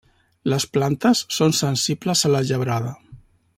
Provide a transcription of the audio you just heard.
Les plantes són sensibles a la gebrada.